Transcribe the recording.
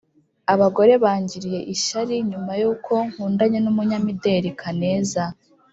abagore bangiriye ishyari nyuma yuko nkundanye n’umunyamideli kaneza